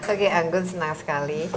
oke anggun senang sekali